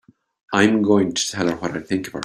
I'm going to tell her what I think of her!